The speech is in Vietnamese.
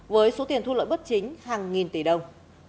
với số tiền thu lợi bất chính hàng nghìn tỷ đồng